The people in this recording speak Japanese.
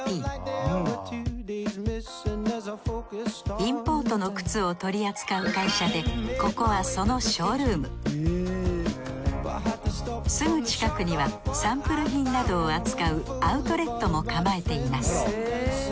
インポートの靴を取り扱う会社でここはそのショールームすぐ近くにはサンプル品などを扱うアウトレットも構えています。